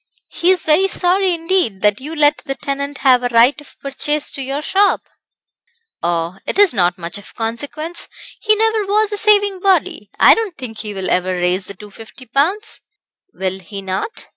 "He is very sorry indeed, that you let the tenant have a right of purchase to your shop." "Oh, it is not of much consequence he never was a saving body; I don't think he will ever raise the 250 pounds." "Will he not?